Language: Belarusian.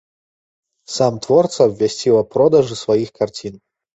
Сам творца абвясціў аб продажы сваіх карцін.